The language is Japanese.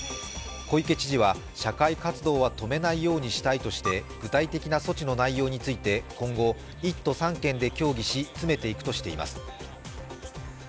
小池知事は、社会活動は止めないようにしたいとして具体的な措置の内容について今後、１都３県で協議し、詰めていくとしています。